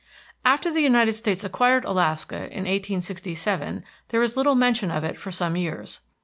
After the United States acquired Alaska, in 1867, there is little mention of it for some years.